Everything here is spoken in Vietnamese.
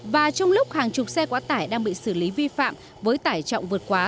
và trong lúc hàng chục xe quá tải đang bị xử lý vi phạm với tải trọng vượt quá